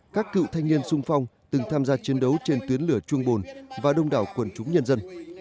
các cựu thanh niên sung phong từng tham gia chiến đấu trên tuyến lửa trung bồn và đông đảo quần chúng nhân dân